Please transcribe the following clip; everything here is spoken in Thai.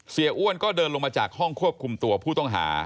อ้วนก็เดินลงมาจากห้องควบคุมตัวผู้ต้องหา